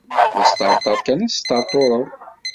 D asṭerṭer kan i tesṭerṭured.